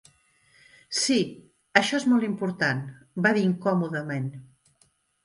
"Sí, això és molt important", va dir incòmodament.